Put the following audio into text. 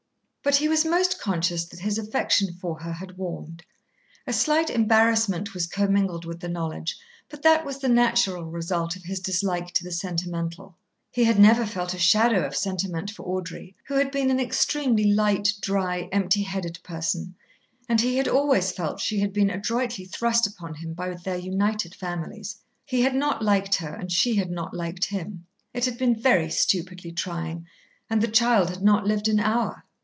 But he was most conscious that his affection for her had warmed. A slight embarrassment was commingled with the knowledge, but that was the natural result of his dislike to the sentimental. He had never felt a shadow of sentiment for Audrey, who had been an extremely light, dry, empty headed person, and he had always felt she had been adroitly thrust upon him by their united families. He had not liked her, and she had not liked him. It had been very stupidly trying. And the child had not lived an hour.